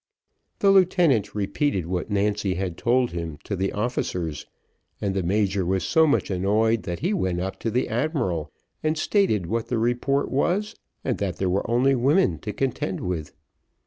The lieutenant repeated what Nancy had told him to the officers, and the major was so much annoyed, that he went up to the admiral and stated what the report was, and that there were only women to contend with.